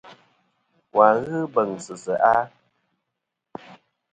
Wà n-ghɨ beŋsɨ seʼ a?